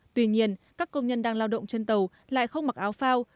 tuy nhiên các công nhân đang lao động trên tàu lại không mặc áo phao